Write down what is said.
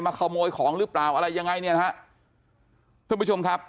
ขโมยของหรือเปล่าอะไรยังไงเนี่ยนะฮะท่านผู้ชมครับ